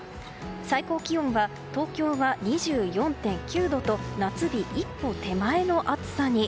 最高気温は東京は２４．９度と夏日一歩手前の暑さに。